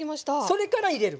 それから入れる。